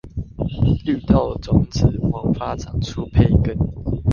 綠豆種子萌發長出胚根